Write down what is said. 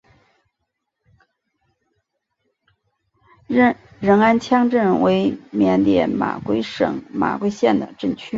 仁安羌镇为缅甸马圭省马圭县的镇区。